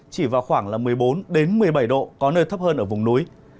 chỉ vào khoảng một mươi bốn một mươi bảy độ có nơi thấp hơn ở vùng núi